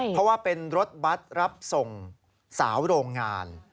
เพราะว่าเป็นรถบัตรรับส่งสาวโรงงาน